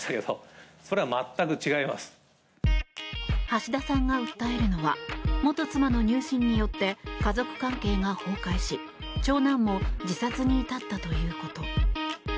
橋田さんが訴えるのは元妻の入信によって家族関係が崩壊し長男も自殺に至ったということ。